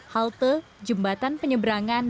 halte jembatan penyeberangan